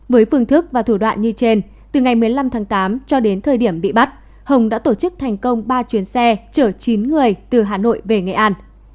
với phương thức và thủ đoạn như trên từ ngày một mươi năm tháng tám cho đến thời điểm bị bắt hồng đã tổ chức thành công ba chuyến xe chở chín người từ hà nội về nghệ an